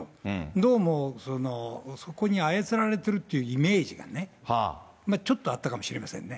どうも、そこに操られてるってイメージがね、ちょっとあったかもしれませんね。